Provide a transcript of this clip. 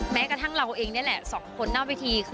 แม้กระทั่งเราเองนี่แหละสองคนหน้าเวที